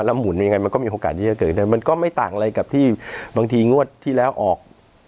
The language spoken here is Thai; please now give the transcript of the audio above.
แล้วหมุนยังไงมันก็มีโอกาสที่จะเกิดขึ้นได้มันก็ไม่ต่างอะไรกับที่บางทีงวดที่แล้วออก